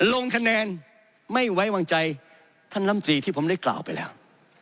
ลงคะแนนไม่ไว้วางใจท่านลำตรีที่ผมได้กล่าวไปแล้ว